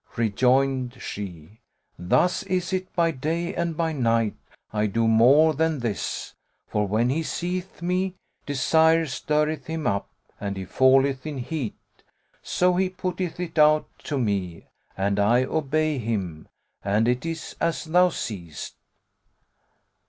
Rejoined she, Thus is it by day and by night I do more than this; for when he seeth me, desire stirreth him up and he falleth in heat; so he putteth it out to me and I obey him, and it is as thou seest.'"